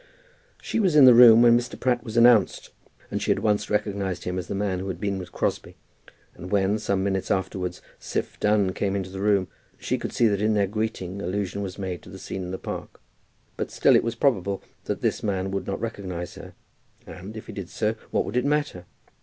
She was in the room when Mr. Pratt was announced, and she at once recognized him as the man who had been with Crosbie. And when, some minutes afterwards, Siph Dunn came into the room, she could see that in their greeting allusion was made to the scene in the Park. But still it was probable that this man would not recognize her, and, if he did so, what would it matter?